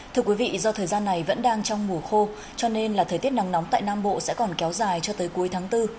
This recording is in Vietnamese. thưa quý vị do thời gian này vẫn đang trong mùa khô cho nên là thời tiết nắng nóng tại nam bộ sẽ còn kéo dài cho tới cuối tháng bốn